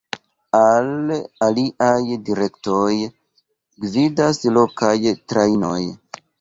Al aliaj direktoj gvidas lokaj trajnoj.